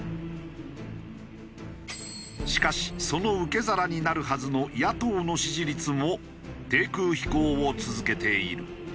しかしその受け皿になるはずの野党の支持率も低空飛行を続けている。